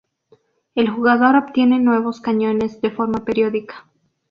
El jugador obtiene nuevos cañones de forma periódica.